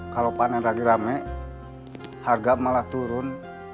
kalau panen lagi rame harga malah turun